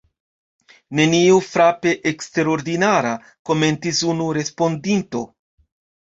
Nenio frape eksterordinara, komentis unu respondinto.